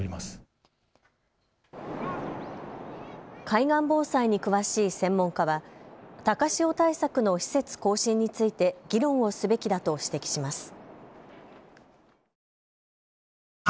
海岸防災に詳しい専門家は高潮対策の施設更新について議論をすべきだと指摘します。